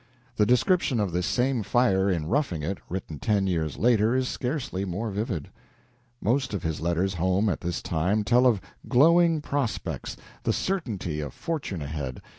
The description of this same fire in "Roughing It," written ten years later, is scarcely more vivid. Most of his letters home at this time tell of glowing prospects the certainty of fortune ahead.